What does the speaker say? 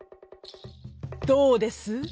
「どうです？